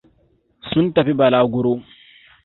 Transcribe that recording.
Sun tafi bulaguro.